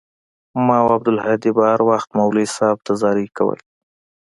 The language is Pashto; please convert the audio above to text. ما او عبدالهادي به هروخت مولوى صاحب ته زارۍ کولې.